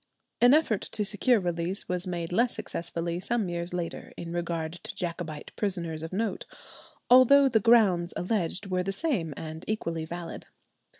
An effort to secure release was made less successfully some years later in regard to Jacobite prisoners of note, although the grounds alleged were the same and equally valid.